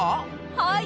はい。